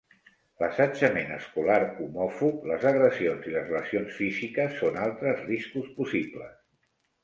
L'assetjament escolar homòfob, les agressions i les lesions físiques són altres riscos possibles.